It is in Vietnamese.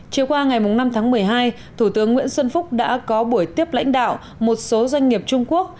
chiều qua ngày năm tháng một mươi hai thủ tướng nguyễn xuân phúc đã có buổi tiếp lãnh đạo một số doanh nghiệp trung quốc